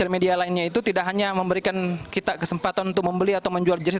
media lainnya itu tidak hanya memberikan kita kesempatan untuk membeli atau menjual jenis